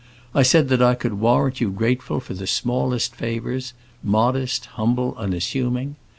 I said that I could warrant you grateful for the smallest favors—modest, humble, unassuming.